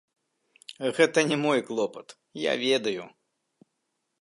Гэта не мой клопат, я ведаю.